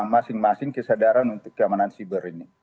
masing masing kesadaran untuk keamanan siber ini